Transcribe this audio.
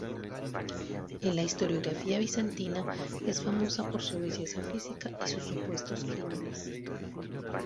En la historiografía bizantina es famosa por su belleza física y sus supuestos crímenes.